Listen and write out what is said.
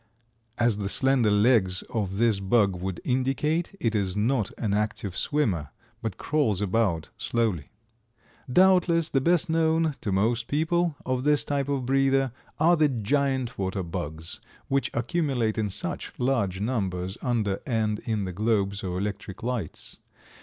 As the slender legs of this bug would indicate, it is not an active swimmer, but crawls about slowly. Doubtless the best known, to most people, of this type of breather, are the Giant water bugs, which accumulate in such large numbers under and in the globes of electric lights.